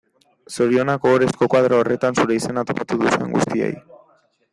Zorionak ohorezko koadro horretan zure izena topatu duzuen guztiei.